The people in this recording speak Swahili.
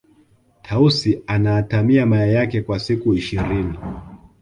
tausi anaatamia mayai yake kwa siku ishirini